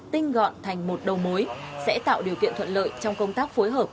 tạo thành một đầu mối sẽ tạo điều kiện thuận lợi trong công tác phối hợp